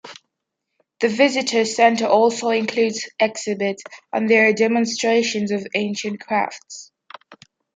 The visitor centre also includes exhibits, and there are demonstrations of ancient crafts.